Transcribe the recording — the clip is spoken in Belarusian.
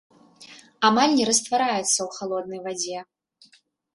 Амаль не раствараецца ў халоднай вадзе.